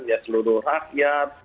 ya seluruh rakyat